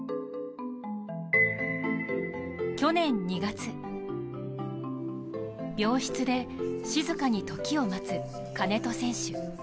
去年２月、病室で静かに時を待つ金戸選手。